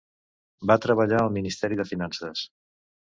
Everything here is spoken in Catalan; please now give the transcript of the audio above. Va treballar al ministeri de Finances.